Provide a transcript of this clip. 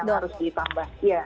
itu yang harus ditambah